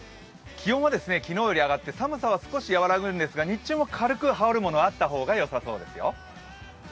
気温は昨日より上がって寒さは少し和らぐんですが日中も軽く羽織るものがあった方がよさそうですよ。